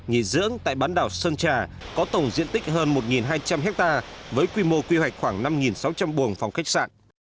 nghỉ dưỡng tại bán đảo sơn trà có tổng diện tích hơn một hai trăm linh hectare với quy mô quy hoạch khoảng năm sáu trăm linh buồng phòng khách sạn